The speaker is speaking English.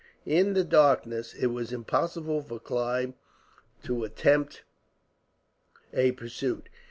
In the darkness, it was impossible for Clive to attempt a pursuit.